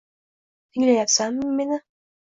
Tinglayapsanmi meni